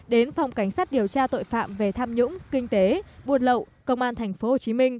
đến phòng cảnh sát điều tra tội phạm về tham nhũng kinh tế buôn lậu công an tp hcm